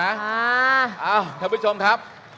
เอ้าท่านผู้ชมครับ